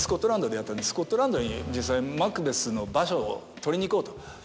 スコットランドに実際に『マクベス』の場所を撮りに行こうと。